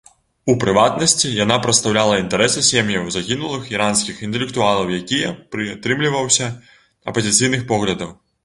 У прыватнасці, яна прадстаўляла інтарэсы сем'яў загінулых іранскіх інтэлектуалаў, якія прытрымліваўся апазіцыйных поглядаў.